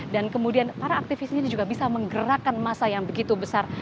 dan kemudian para aktivis ini juga bisa menggerakkan masa yang begitu besar